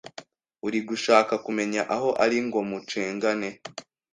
uri gushaka kumenya aho ari ngo mucengane